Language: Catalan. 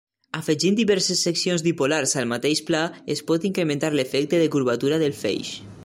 Afegint diverses seccions dipolars al mateix pla es pot incrementar l'efecte de curvatura del feix.